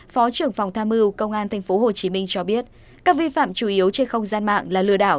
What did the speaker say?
phó trưởng phòng tham mưu công an tp hcm cho biết các vi phạm chủ yếu trên không gian mạng là lừa đảo